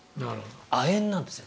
亜鉛なんですね。